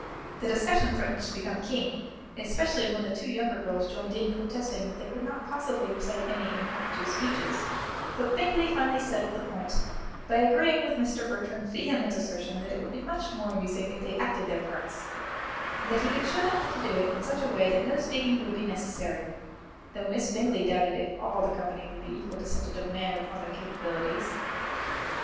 The discussion threatened to become keen, especially when the two younger girls joined in protesting that they could not possibly recite any impromptu speeches; but Bingley finally settled the point by agreeing with Mr. Bertram's vehement assertion that it would be much more amusing if they acted their parts, and that he could show them how to do it in such a way that no speaking would be necessary, though Miss Bingley doubted if all the company would be equal to such a demand upon their capabilities.